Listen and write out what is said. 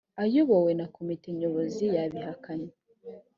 ayobowe na komite nyobozi yabihakanye